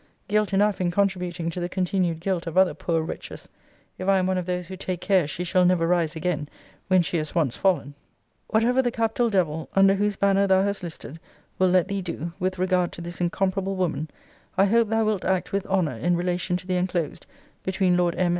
Guilt enough in contributing to the continued guilt of other poor wretches, if I am one of those who take care she shall never rise again, when she has once fallen. * See Letter XVII. of this volume. Whatever the capital devil, under whose banner thou hast listed, will let thee do, with regard to this incomparable woman, I hope thou wilt act with honour in relation to the enclosed, between Lord M.